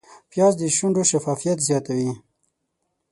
پیاز د شونډو شفافیت زیاتوي